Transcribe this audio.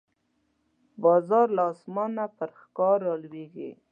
باز له اسمانه پر ښکار راولويږي